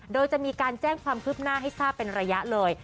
โดยจะมีการแจ้งความคืบหน้าให้ทราบเป็นระยะเลย